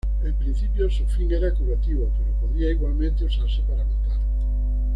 En principio su fin era curativo, pero podía igualmente usarse para matar.